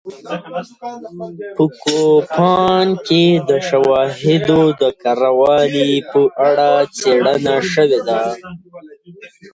په کوپان کې د شواهدو د کره والي په اړه څېړنه شوې ده